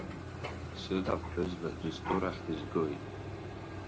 Дсыҭ аԥҳәызба, дызтәу рахь дызгоит.